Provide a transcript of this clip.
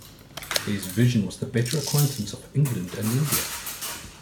His vision was the better acquaintance of England and India.